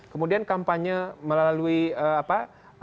kemudian kampanye melalui apa